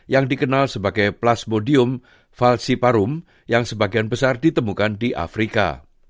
yang dikenal sebagai plasmodium falciparum yang sebagian besar ditemukan di afrika